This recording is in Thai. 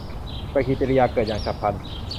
ปฏิกริยาเกิดอย่างฉับพลัน